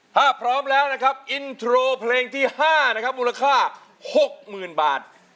ถ้าพร้อมแล้วนะครับอินโทรเพลงที่๕นะครับมูลค่า๖๐๐๐บาท